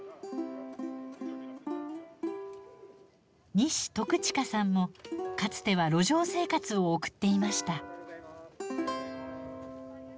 西篤近さんもかつては路上生活を送っていました。